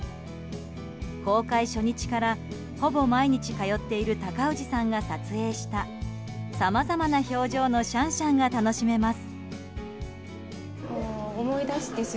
公開初日からほぼ毎日通っている高氏さんが撮影したさまざまな表情のシャンシャンが楽しめます。